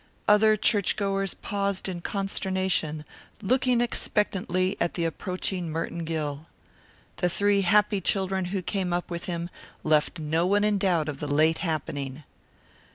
Other churchgoers paused in consternation, looking expectantly at the approaching Merton Gill. The three happy children who came up with him left no one in doubt of the late happening.